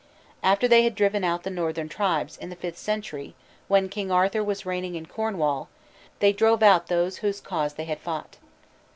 After they had driven out the northern tribes, in the fifth century, when King Arthur was reigning in Cornwall, they drove out those whose cause they had fought.